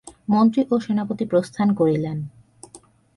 মন্ত্রী ও সেনাপতি প্রস্থান করিলেন।